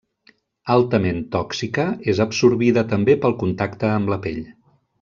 Altament tòxica, és absorbida també pel contacte amb la pell.